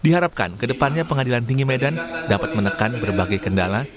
diharapkan kedepannya pengadilan tinggi medan dapat menekan berbagai kendala